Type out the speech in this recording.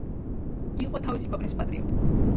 იყო თავისი ქვეყნის პატრიოტი.